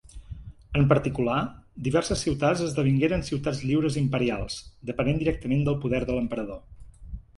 En particular, diverses ciutats esdevingueren ciutats lliures imperials, depenent directament del poder de l'emperador.